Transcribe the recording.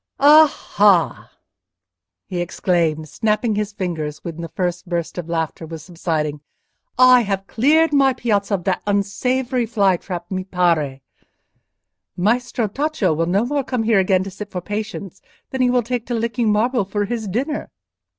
"Aha!" he exclaimed, snapping his fingers when the first burst of laughter was subsiding. "I have cleared my piazza of that unsavoury fly trap, mi pare. Maestro Tacco will no more come here again to sit for patients than he will take to licking marble for his dinner."